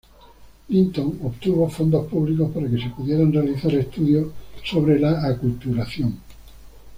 Linton obtuvo fondos públicos para que se pudieran realizar estudios sobre la aculturación.